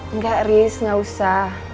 enggak riz gak usah